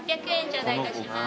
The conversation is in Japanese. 頂戴いたします。